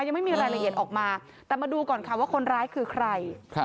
ยังไม่มีรายละเอียดออกมาแต่มาดูก่อนค่ะว่าคนร้ายคือใคร